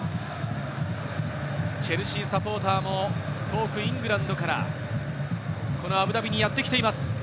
チェルシーサポーターも遠くイングランドからこのアブダビにやってきています。